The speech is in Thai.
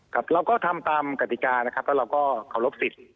ครับเราก็ทำตามกติกานะครับแล้วเราก็เคารพสิทธิ์